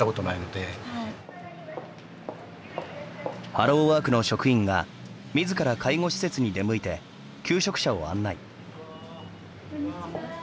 ハローワークの職員がみずから介護施設に出向いて求職者を案内。